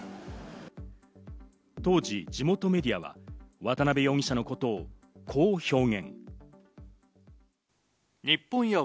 当時、地元メディアは渡辺容疑者のことをこう表現。